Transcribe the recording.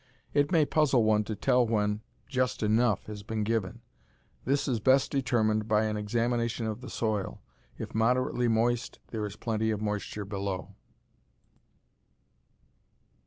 It may puzzle one to tell when just enough has been given. This is best determined by an examination of the soil. If moderately moist there is plenty of moisture below.